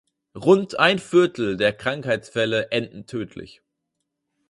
Rund ein Viertel der Krankheitsfälle enden tödlich.